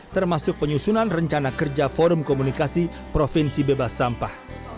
termasuk penyusunan rencana kerja forum komunikasi provinsi bebas sampah